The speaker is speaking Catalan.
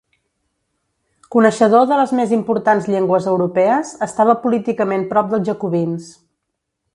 Coneixedor de les més importants llengües europees, estava políticament prop dels jacobins.